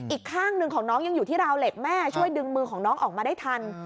อีกข้างหนึ่งของน้องยังอยู่ที่ราวเหล็กแม่ช่วยดึงมือของน้องออกมาได้ทัน